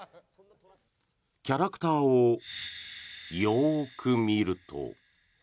キャラクターをよく見ると。